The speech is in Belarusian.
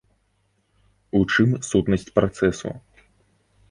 У чым сутнасць працэсу?